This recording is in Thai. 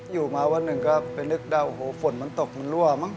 อยู่มาวันหนึ่งก็ไปนึกได้โอ้โหฝนมันตกมันรั่วมั้